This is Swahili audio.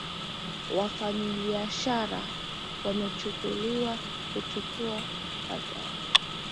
wafanyabiashara wameshauriwa kuchukua tahadhari